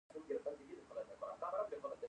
د علامه رشاد لیکنی هنر مهم دی ځکه چې لغتونه تعقیبوي.